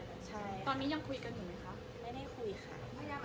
ตอนนี้ยังคุยกับหนูไหมคะ